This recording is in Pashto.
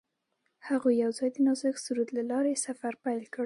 هغوی یوځای د نازک سرود له لارې سفر پیل کړ.